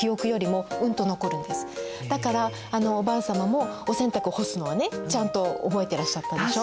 だからあのおばあ様もお洗濯干すのはねちゃんと覚えてらっしゃったでしょ。